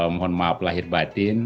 mohon maaf lahir batin